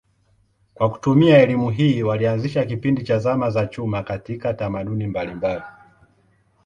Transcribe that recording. Kwa kutumia elimu hii walianzisha kipindi cha zama za chuma katika tamaduni mbalimbali.